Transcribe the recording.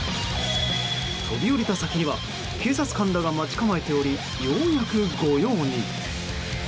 飛び降りた先には警察官らが待ち構えておりようやく御用に。